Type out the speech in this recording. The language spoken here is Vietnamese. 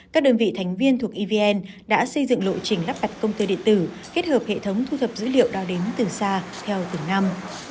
các đơn vị thành viên thuộc evn đã xây dựng lộ trình lắp đặt công tơ điện tử kết hợp hệ thống thu thập dữ liệu đo đếm từ xa theo từng năm